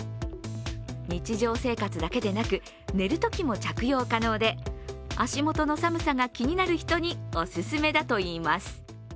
日常生活だけでなく寝るときも着用可能で足元の寒さが気になる人にお勧めだといいます。